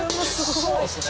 そうですね。